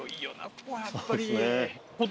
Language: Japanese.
ここはやっぱり。